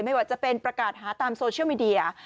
ไม่ว่าจะเป็นประกาศหาตามโซเชียลมีเดีย